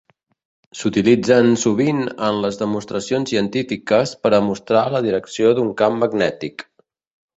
S'utilitzen sovint en les demostracions científiques per a mostrar la direcció d'un camp magnètic.